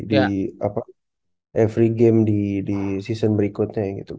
di every game di season berikutnya gitu